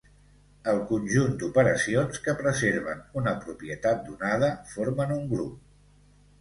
El conjunt d'operacions que preserven una propietat donada formen un grup.